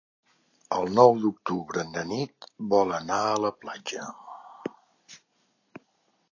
El nou d'octubre na Nit vol anar a la platja.